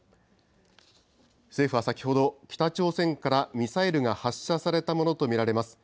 政府は先ほど、北朝鮮からミサイルが発射されたものと見られます。